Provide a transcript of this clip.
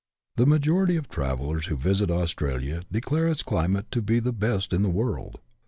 The majority of travellers who visit Australia declare its cli mate to be the best in the world.